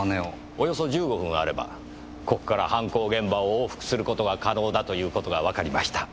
およそ１５分あればここから犯行現場を往復する事が可能だという事がわかりました。